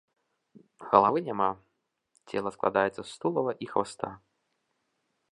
Галавы няма, цела складаецца з тулава і хваста.